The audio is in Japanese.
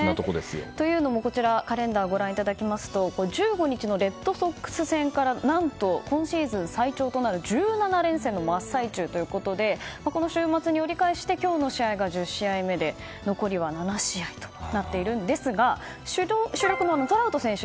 というのも、こちらカレンダーをご覧いただきますと１５日のレッドソックス戦から何と今シーズン最長となる１７連戦の真っ最中ということでこの週末に折り返して今日の試合が１０試合目で残りは７試合となっていますが主力のトラウト選手。